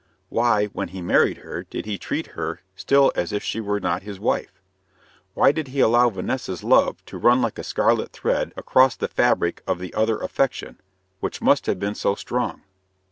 Why, when he married her, did he treat her still as if she were not his wife? Why did he allow Vanessa's love to run like a scarlet thread across the fabric of the other affection, which must have been so strong?